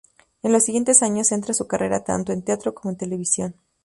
En los siguientes años centra su carrera tanto en teatro como en televisión.